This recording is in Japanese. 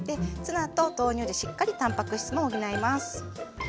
ツナと豆乳でしっかりたんぱく質も補います。